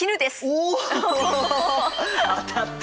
お当たった！